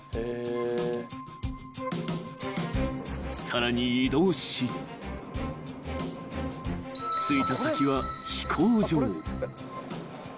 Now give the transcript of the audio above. ［さらに移動し着いた先は飛行場］